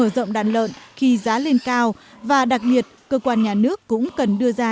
đầu tư mở rộng đàn lợn khi giá lên cao và đặc biệt cơ quan nhà nước cũng cần đưa ra